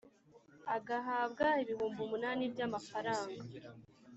agahabwa ibihumbi umunani by amafaranga